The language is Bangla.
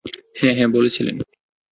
হ্যাঁ হ্যাঁ, বলেছিলেন।